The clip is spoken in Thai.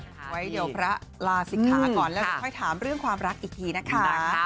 ไว้เดี๋ยวพระลาศิกขาก่อนแล้วค่อยถามเรื่องความรักอีกทีนะคะ